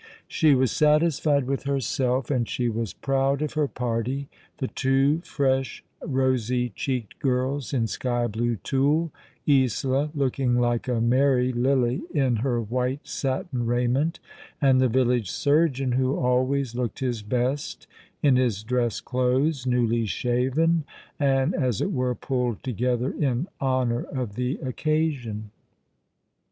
She was satisfied with herself, and she was proud of her party, the two fresh, rosy cheeked girls in sky blue tulle, Isola, looking like a Mary lily in her white satin raiment, and the village surgeon, who always looked his best in his dress clothes, newly shaven, and, as it were, pulled together in honour of the occasion.